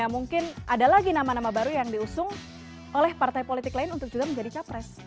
mungkin ada lagi nama nama baru yang diusung oleh partai politik lain untuk juga menjadi capres